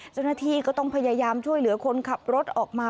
เจ้าหน้าที่ก็ต้องพยายามช่วยเหลือคนขับรถออกมา